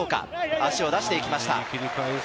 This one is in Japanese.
足を出していきました。